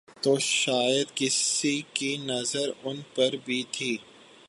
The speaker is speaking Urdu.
تو شاید کسی کی نظر ان پہ بھی تھی۔